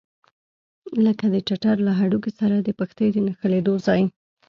لکه د ټټر له هډوکي سره د پښتۍ د نښلېدلو ځای.